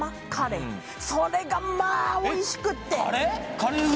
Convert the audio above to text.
それがまあおいしくってえっカレー？